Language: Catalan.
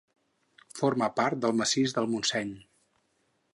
Forma part del Massís del Montseny.